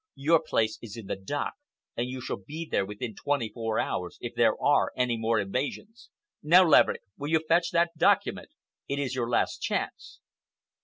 Your place is in the dock, and you shall be there within twenty four hours if there are any more evasions. Now, Laverick, will you fetch that document? It is your last chance."